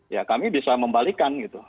ya kami bisa membalikan gitu